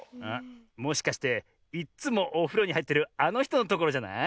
もしかしていっつもおふろにはいってるあのひとのところじゃない？